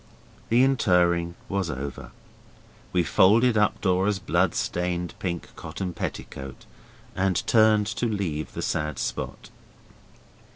The interring was over. We folded up Dora's bloodstained pink cotton petticoat, and turned to leave the sad spot.